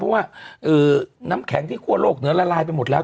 เพราะว่าน้ำแข็งที่คั่วโลกเหนือละลายไปหมดแล้ว